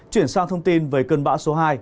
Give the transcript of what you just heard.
chuyển sang thông tin về cơn bão số hai